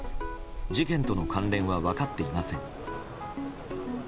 事件との関連は分かっていません。